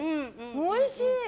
おいしい。